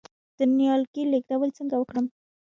د نیالګي لیږدول څنګه وکړم؟